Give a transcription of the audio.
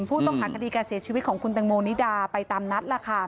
ผู้ต้องหาคดีการเสียชีวิตของคุณตังโมนิดาไปตามนัดล่ะค่ะ